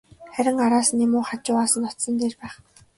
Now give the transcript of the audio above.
Харин араас нь юм уу, хажуугаас нь очсон нь дээр байх.